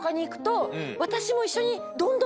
私も一緒に。